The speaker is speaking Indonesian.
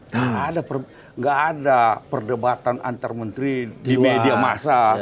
tidak ada perdebatan antar menteri di media masa